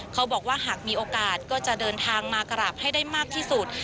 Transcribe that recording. เขาบอกว่าหากมีโอกาสก็จะเดินทางมากราบให้ได้มากที่สุด